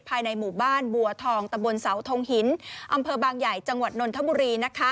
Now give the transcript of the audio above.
ภายในหมู่บ้านบัวทองตะบนเสาทงหินอำเภอบางใหญ่จังหวัดนนทบุรี